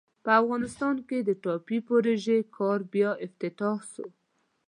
په افغانستان کې د ټاپي پروژې کار بیا افتتاح سو.